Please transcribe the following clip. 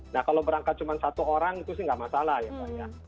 nah kalau berangkat cuma satu orang itu sih nggak masalah ya mbak ya